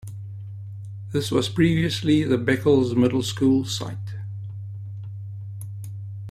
This was previously the Beccles Middle School site.